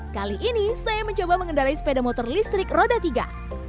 kali ini saya mencoba mengendarai sepeda motor listrik roda tiga